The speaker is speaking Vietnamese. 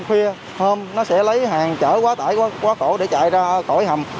hôm khuya hôm nó sẽ lấy hàng chở quá tải quá cổ để chạy ra cổi hầm